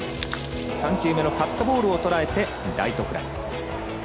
３球目のカットボールをとらえてライトフライ。